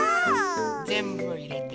ぜんぶいれて。